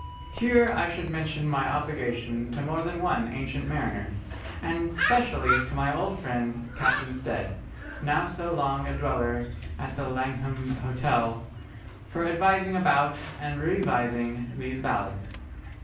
Here I would mention my obligation to more than one ancient mariner, and specially to my old friend, Captain Stead, now so long a dweller at the Langham Hotel, for advising about, and revising, these ballads.